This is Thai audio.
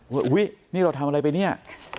อุ๊ยนี่เราทำอะไรไปเนี่ย